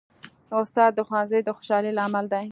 استاد د ښوونځي د خوشحالۍ لامل دی.